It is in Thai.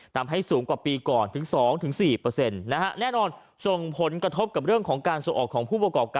ทำให้สูงกว่าปีก่อนถึง๒๔นะฮะแน่นอนส่งผลกระทบกับเรื่องของการส่งออกของผู้ประกอบการ